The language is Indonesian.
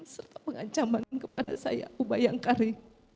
serta pengancaman kepada saya uba yangkari